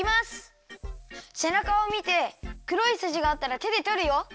せなかをみてくろいすじがあったらてでとるよ。